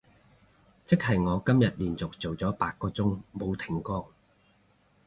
即係我今日連續做咗八個鐘冇停過